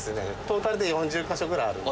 トータルで４０カ所ぐらいある。